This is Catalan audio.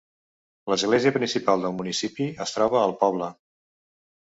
L'església principal del municipi es troba al poble.